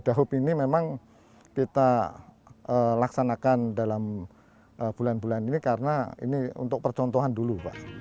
dahub ini memang kita laksanakan dalam bulan bulan ini karena ini untuk percontohan dulu pak